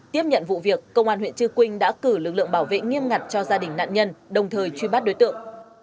tiếp nhận vụ việc công an huyện trư quynh đã cử lực lượng bảo vệ nghiêm ngặt cho gia đình nạn nhân đồng thời truy bắt đối tượng